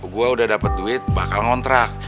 gue udah dapet duit bakal ngontrak